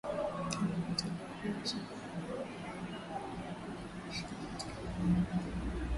amejitangazia ushindi baada ya kudai ameibuka na ushindi katika wilaya nne